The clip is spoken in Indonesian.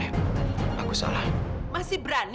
bersambung lagi dengan gue disini